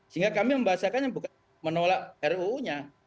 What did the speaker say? sehingga kami membahasakannya bukan menolak ruu nya